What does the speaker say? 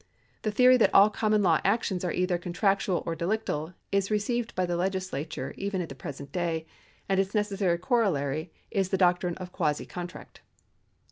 The theory that all common law actions are either contractual or delictal is received by the legislature even at the present day,^ and its necessary corollary is the doctrine of quasi contract.